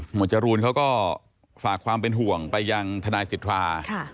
จรูนเขาก็ฝากความเป็นห่วงไปยังทนายสิทธา